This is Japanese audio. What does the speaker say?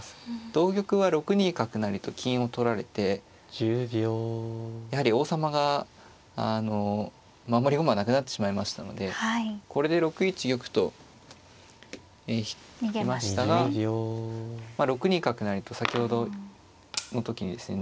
同玉は６二角成と金を取られてやはり王様があの守り駒なくなってしまいましたのでこれで６一玉と引きましたら６二角成と先ほどの時にですね